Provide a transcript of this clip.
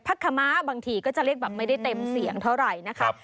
ขมะบางทีก็จะเรียกแบบไม่ได้เต็มเสียงเท่าไหร่นะคะ